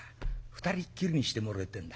２人っきりにしてもらいてえんだ。